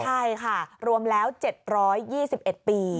ใช่ค่ะรวมแล้ว๗๒๑ปี